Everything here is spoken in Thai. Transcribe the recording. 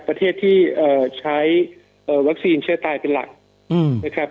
ประเทศที่ใช้วัคซีนเชื้อตายเป็นหลักนะครับ